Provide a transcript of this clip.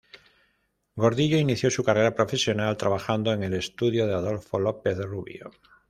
Gordillo inició su carrera profesional trabajando en el estudio de Adolfo López Rubio.